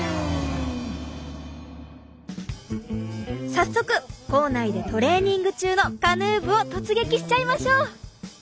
早速校内でトレーニング中のカヌー部を突撃しちゃいましょう！